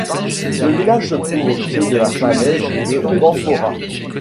Le village se trouve au pied de la falaise de Banfora.